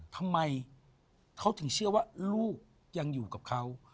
ทำไมเขาถึงเชื่อว่าลูกยังอยู่กับเขา